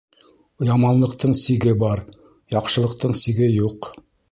Яманлыҡтың сиге бар, яҡшылыҡтың сиге юҡ.